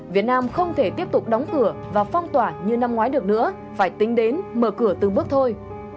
việt nam không thể tiếp tục đóng cửa và phong tỏa như năm ngoái được nữa phải tính đến mở cửa từng bước thôi